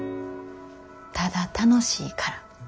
「ただ楽しいから」。